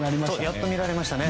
やっと見られましたね。